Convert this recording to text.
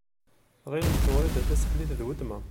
Tɣilemt Wrida Tasaḥlit d weltma.